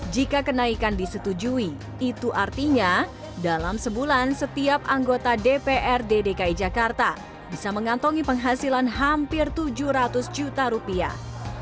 jika kenaikan disetujui itu artinya dalam sebulan setiap anggota dprd dki jakarta bisa mengantongi penghasilan hampir tujuh ratus juta rupiah